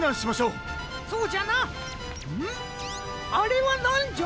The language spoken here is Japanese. あれはなんじゃ？